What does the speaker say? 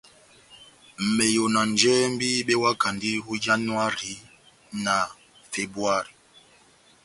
Meyo na njɛhɛmbi bewakandi ó Yanuhari na Febuwari.